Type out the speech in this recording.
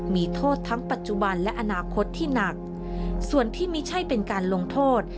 มีโทษทั้งปัจจุบันและอนาคตที่หนักส่วนที่ไม่ใช่เป็นการลงโทษ